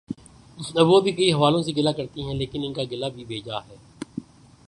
اب وہ بھی کئی حوالوں سے گلہ کرتی ہیں لیکن ان کا گلہ بھی بے جا ہے۔